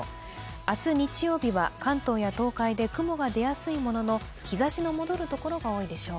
明日日曜日は関東や東海で雲が出やすいものの、日ざしの戻る所が多いでしょう。